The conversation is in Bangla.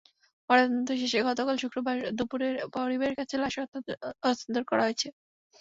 ময়নাতদন্ত শেষে গতকাল শুক্রবার দুপুরে পরিবারের কাছে লাশ হস্তান্তর করা হয়েছে।